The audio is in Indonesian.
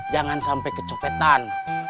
jangan sampai kecopetan